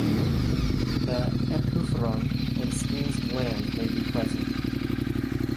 The epoophoron and Skene's glands may be present.